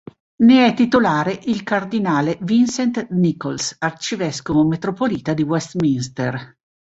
Ne è titolare il cardinale Vincent Nichols, arcivescovo metropolita di Westminster.